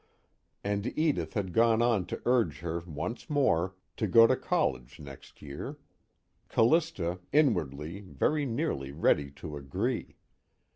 And Edith had gone on to urge her, once more, to go to college next year Callista, inwardly, very nearly ready to agree.